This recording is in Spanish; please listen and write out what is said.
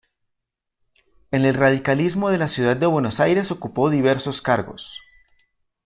En el radicalismo de la ciudad de Buenos Aires ocupó diversos cargos.